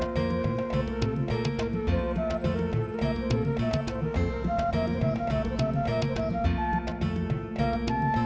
tetapi sebagian besar sesungguhnya